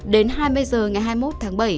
đến hai mươi h ngày hai mươi một tháng bảy